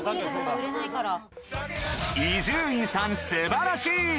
伊集院さん素晴らしい！